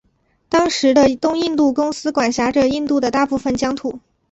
当时的东印度公司管辖着印度的大部分疆土。